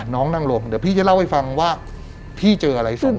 นั่งลงเดี๋ยวพี่จะเล่าให้ฟังว่าพี่เจออะไรส่ง